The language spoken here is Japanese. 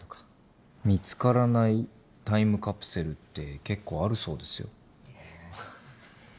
見つからないタイムカプセルって結構あるそうですよ。